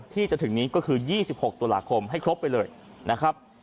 ที่จะถึงนี้ก็คือ๒๖ตุลาคมให้ครบไปเลยนะครับ